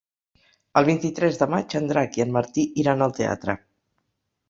El vint-i-tres de maig en Drac i en Martí iran al teatre.